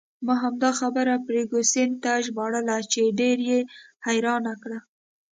ما همدا خبره فرګوسن ته ژباړله چې ډېر یې حیرانه کړه.